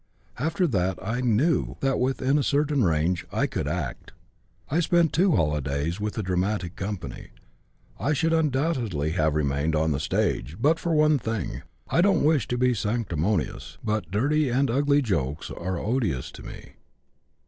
After that I knew that (within a certain range) I could act. I spent two holidays with a dramatic company. I should undoubtedly have remained on the stage, but for one thing. I don't wish to be sanctimonious, but dirty and ugly jokes are odious to me.